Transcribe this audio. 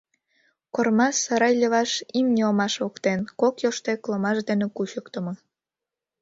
Корма сарай леваш — имне омаш воктен, кок йоштек ломаш дене кучыктымо...